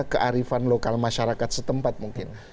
kearifan lokal masyarakat setempat mungkin